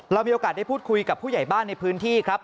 เรามีโอกาสได้พูดคุยกับผู้ใหญ่บ้านในพื้นที่ครับ